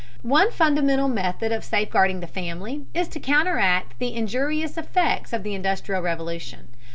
One fundamental method of safeguarding the family is to counteract the injurious effects of the Industrial Revolution.